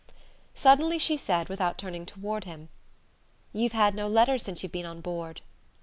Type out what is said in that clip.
Suddenly she said, without turning toward him: "You've had no letters since you've been on board."